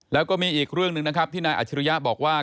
แล้วก็มีอีกเรื่องหนึ่งนะครับที่นายอัจฉริยะบอกว่า